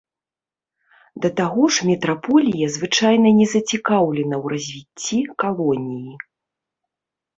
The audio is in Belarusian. Да таго ж метраполія звычайна не зацікаўлена ў развіцці калоніі.